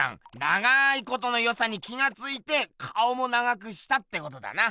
長いことのよさに気がついて顔も長くしたってことだな。